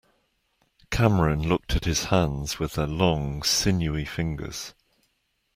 Cameron looked at his hands with their long, sinewy fingers.